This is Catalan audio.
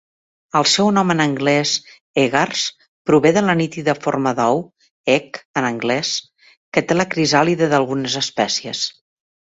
El seu nom en anglès, "eggars", prové de la nítida forma d'ou ("egg", en anglès) que té la crisàlide d'algunes espècies.